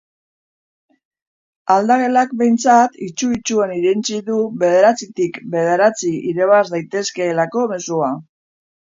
Aldagelak behintzat, itsu-itsuan irentsi du bederatzitik bederatzi irabaz daitezkeelako mezua.